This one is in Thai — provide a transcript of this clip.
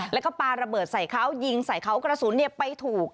แล้วก็ปลาระเบิดใส่เขายิงใส่เขากระสุนไปถูก